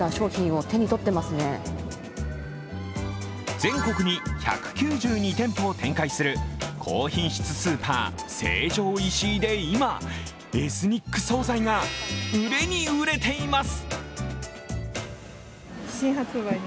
全国に１９２店舗を展開する高品質スーパー、成城石井で今、エスニック総菜が売れに売れています。